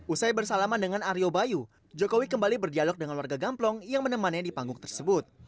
usai bersalaman dengan aryo bayu jokowi kembali berdialog dengan warga gamplong yang menemannya di panggung tersebut